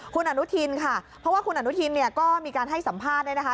คุณอนุทินค่ะเพราะว่าคุณอนุทินเนี่ยก็มีการให้สัมภาษณ์เนี่ยนะคะ